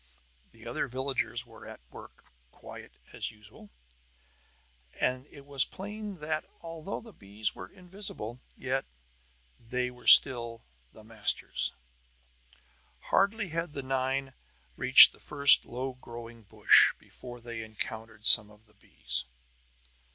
The other villagers were at work quite as usual; so it was plain that, although the bees were invisible, yet they were still the masters. Hardly had the nine reached the first low growing brush before they encountered some of the bees.